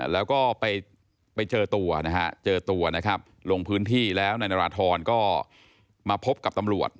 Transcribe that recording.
แล้วก็ไปเจอตัวนะครับลงพื้นที่แล้วนายนารทรก็มาพบกับตำรวจ